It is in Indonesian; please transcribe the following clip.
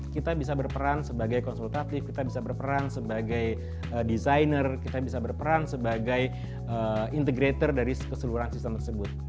kita bisa berperan sebagai konsultatif kita bisa berperan sebagai desainer kita bisa berperan sebagai integrator dari keseluruhan sistem tersebut